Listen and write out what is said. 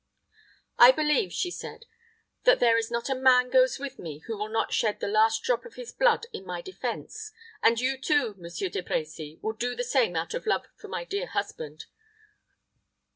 "I believe," she said, "that there is not a man goes with me who will not shed the last drop of his blood in my defense and you, too, Monsieur De Brecy, will do the same out of love for my dear husband."